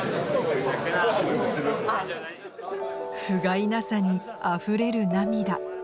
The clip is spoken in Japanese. ふがいなさにあふれる涙